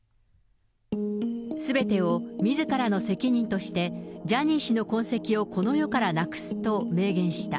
すべてをみずからの責任として、ジャニー氏の痕跡をこの世からなくすと明言した。